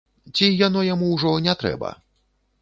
Ці яно яму ўжо не трэба?